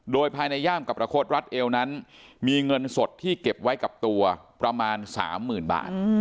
โดยภายในย่ามกับประคดรัดเอวนั้นมีเงินสดที่เก็บไว้กับตัวประมาณ๓๐๐๐บาท